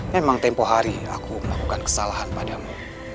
memang tempoh hari aku melakukan kesalahan padamu